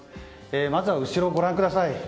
まずは後ろ、ご覧ください。